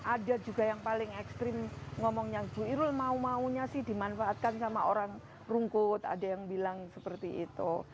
ada juga yang paling ekstrim ngomongnya bu irul mau maunya sih dimanfaatkan sama orang rungkut ada yang bilang seperti itu